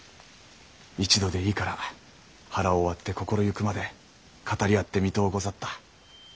一度でいいから腹を割って心ゆくまで語り合ってみとうござった。